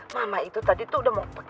mama itu tadi itu sudah mau pergi